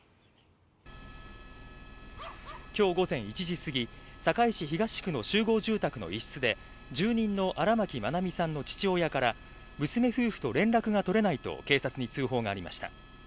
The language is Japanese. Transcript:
今日午前１時すぎ、堺市東区の集合住宅の一室で住人の荒牧愛美さんの父親から娘夫婦と連絡がとれないと警察に通報がありました。